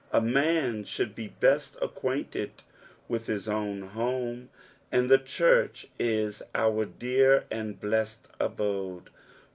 A man should l^e best acquainted with his owa home ; and the church is our dear and blest abode.